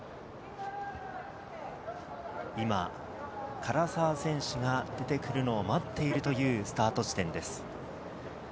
今、唐澤選手が出てくるのを待っているスタート地点です。